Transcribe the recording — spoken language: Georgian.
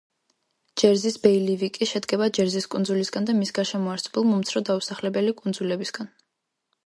ჯერზის ბეილივიკი შედგება ჯერზის კუნძულისგან და მის გარშემო არსებულ მომცრო დაუსახლებელი კუნძულებისგან.